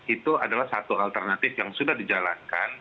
itu adalah satu alternatif yang sudah dijalankan